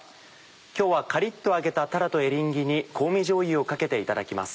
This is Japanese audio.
今日はカリッと揚げたたらとエリンギに香味じょうゆをかけていただきます。